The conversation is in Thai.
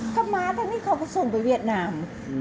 เขามาทางนี้เขาก็ส่งไปเวียดนาม